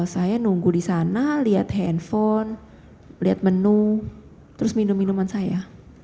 saya nunggu di sana lihat handphone lihat menu terus minum minuman saya